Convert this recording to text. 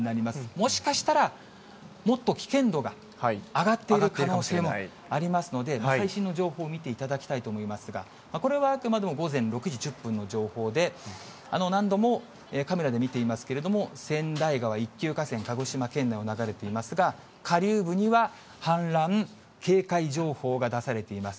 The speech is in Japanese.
もしかしたらもっと危険度が上がっている可能性もありますので、最新の情報を見ていただきたいと思いますが、これは、あくまでも午前６時１０分の情報で、何度もカメラで見ていますけれども、川内川、一級河川、鹿児島県内を流れていますが、下流部には氾濫警戒情報が出されています。